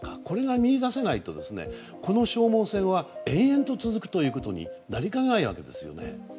これが見出せないとこの消耗戦は延々と続くことになりかねないわけですよね。